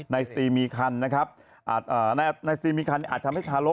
ในสตรีมีคันนะครับ